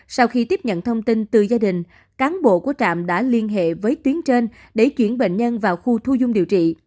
sau khi tiếp nhận thông tin từ gia đình cán bộ của trạm đã liên hệ với tuyến trên để chuyển bệnh nhân vào khu thu dung điều trị